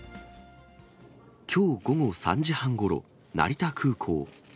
きょう午後３時半ごろ、成田空港。